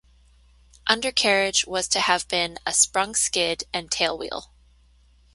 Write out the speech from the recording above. Undercarriage was to have been a sprung skid and tail-wheel.